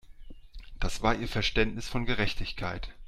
Das war ihr Verständnis von Gerechtigkeit.